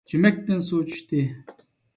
جۈمەكتىن سۇ چۈشتى.